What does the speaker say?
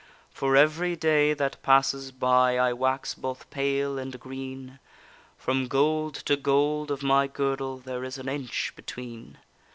For every day that passes by I wax both pale and green, From gold to gold of my girdle There is an inch between.